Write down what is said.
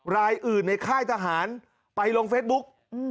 รายอื่นในค่ายทหารไปลงเฟซบุ๊ก